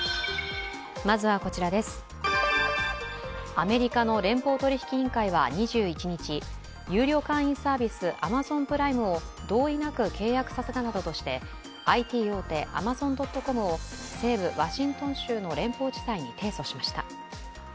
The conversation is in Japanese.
アメリカの連邦取引委員会は２１日、有料会員サービスアマゾンプライムを同意なく契約させたなどとしてＩＴ大手アマゾン・ドット・コムを西部ワシントン州の連邦地裁に提訴しました。